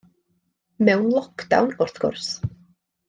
Mewn lock-down, wrth gwrs.